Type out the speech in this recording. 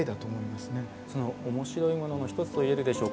その面白いものの一つと言えるでしょう。